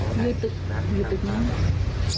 อยู่ตรงนี้